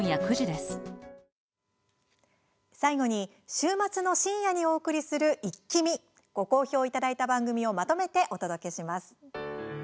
最後に、週末の深夜にお送りする「イッキ見！」ご好評いただいた番組をまとめてお届けします。